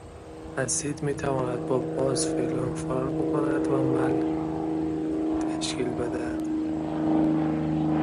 اسید میتواند با باز فعل و انفعال بکند و ملح تشکیل بدهد.